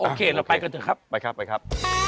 โอเคเราไปกันเถอะครับไปครับไปครับ